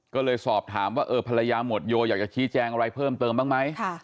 ก็เลยสอบถามว่าภรรยาหมวดโยอยากจะชี้แจงอะไรเพิ่มเติมบ้างไหม